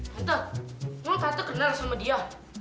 tante lu kan kata kenal sama dia